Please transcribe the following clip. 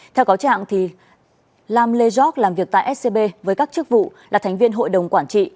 theo cáo trạng lam lê giọc làm việc tại scb với các chức vụ là thành viên hội đồng quản trị